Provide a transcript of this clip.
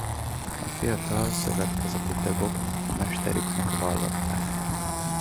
A fiatal szövetkezeti tagok mesterüknek vallották.